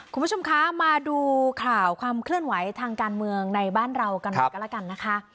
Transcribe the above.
คุณผู้ชมคะมาดูข่าวความเคลื่อนไหวทางการเมืองในบ้านเรากันหน่อยก็แล้วกันนะคะ